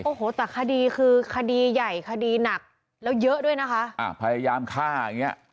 โอ้โหแต่คดีคือคดีใหญ่คดีหนักแล้วเยอะด้วยนะคะอ่าพยายามฆ่าอย่างเงี้ย